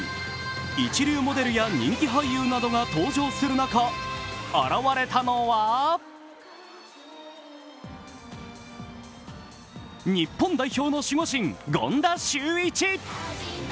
一流モデルや人気俳優などが登場する中、現われたのは日本代表の守護神、権田修一。